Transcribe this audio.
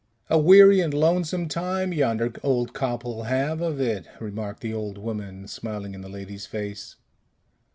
"A weary and lonesome time yonder old couple have of it," remarked the old woman, smiling in the lady's face.